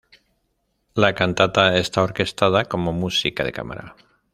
La cantata está orquestada como música de cámara.